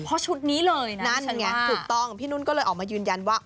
เพราะชุดนี้เลยนะนั่นไงถูกต้องพี่นุ่นก็เลยออกมายืนยันว่า